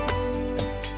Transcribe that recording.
perjalanan kembali ke negara